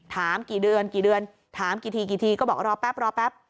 ถามกี่เดือนกี่เดือนถามกี่ทีกี่ทีก็บอกรอแป๊บรอแป๊บ